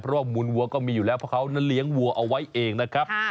เพราะว่ามูลวัวก็มีอยู่แล้วเพราะเขานั้นเลี้ยงวัวเอาไว้เองนะครับ